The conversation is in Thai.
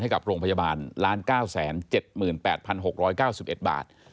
กับโรงพยาบาล๑๙๗๘๖๙๑บาท